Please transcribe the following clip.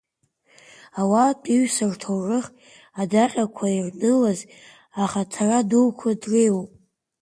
Ауаатәыҩса рҭоурых адаҟьақәа ирнылаз ахаҭара дуқәа дреиуоуп.